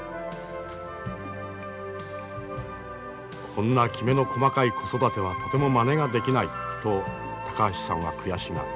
「こんなきめの細かい子育てはとてもまねができない」と高橋さんは悔しがる。